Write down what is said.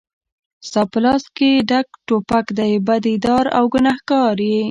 ستا په لاس کې ډک توپک دی بدي دار او ګنهګار یې